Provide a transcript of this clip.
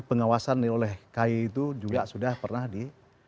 pengawasan oleh ki itu juga sudah pernah di